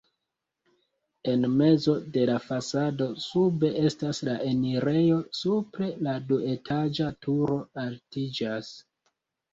En mezo de la fasado sube estas la enirejo, supre la duetaĝa turo altiĝas.